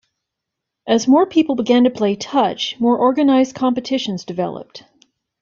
As more people began to play Touch more organised competitions developed.